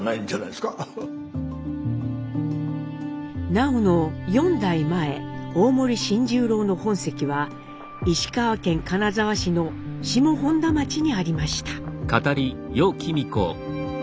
南朋の４代前大森信十郎の本籍は石川県金沢市の下本多町にありました。